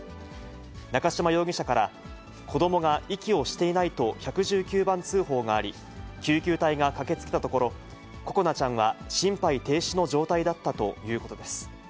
中島容疑者から、子どもが息をしていないと１１９番通報があり、救急隊が駆けつけたところ、心絆ちゃんは心肺停止の状態だったということです。